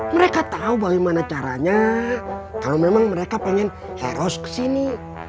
mereka tahu bagaimana caranya kalau memang mereka pengen heros kesini